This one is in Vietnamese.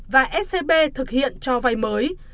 và scb thực hiện cho vay mới